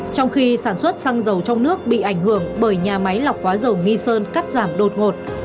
trong khi sản xuất sang giàu trong nước bị ảnh hưởng bởi nhà máy lọc khóa giàu nghi sơn cắt giảm đột ngột